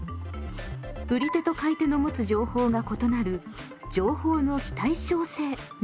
売り手と買い手の持つ情報が異なる情報の非対称性などがあります。